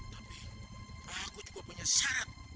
tapi aku juga punya syarat